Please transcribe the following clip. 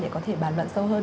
để có thể bàn luận sâu hơn